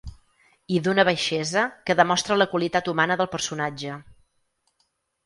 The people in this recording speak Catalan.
I d’una baixesa que demostra la qualitat humana del personatge.